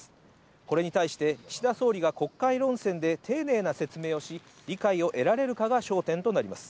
これに対して岸田総理が国会論戦で丁寧な説明をし、理解を得られるかが焦点となります。